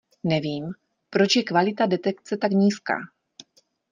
Nevím, proč je kvalita detekce tak nízká.